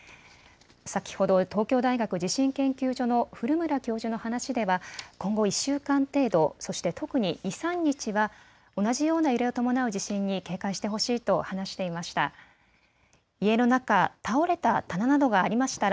先ほど東京大学地震研究所の古村教授の話では今後１週間程度、そして特に２、３日は同じような揺れを伴う地震に警戒してほしいと話していました。